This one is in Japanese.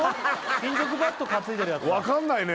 金属バット担いでるやつだ分かんないね